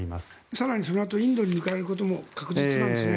更にそのあとインドに抜かれることも確実なんですね。